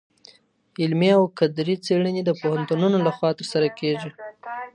علمي او کدري څېړني د پوهنتونونو لخوا ترسره کيږي.